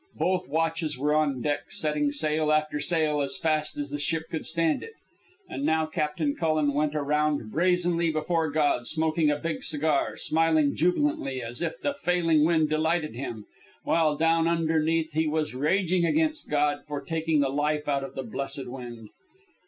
Both watches were on deck setting sail after sail as fast as the ship could stand it. And now Captain Cullen went around brazenly before God, smoking a big cigar, smiling jubilantly, as if the failing wind delighted him, while down underneath he was raging against God for taking the life out of the blessed wind.